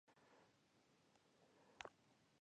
ځانګړي ګارډ یو امپرتور رانسکور او بل یې واک ته رساوه